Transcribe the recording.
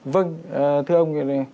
vâng thưa ông